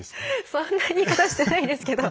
そんな言い方してないですけど。